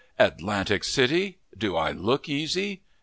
"Atlantic City! Do I look easy?